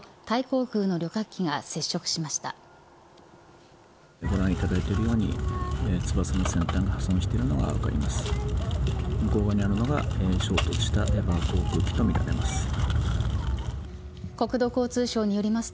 ご覧いただいているように翼の先端が破損しているのが分かります。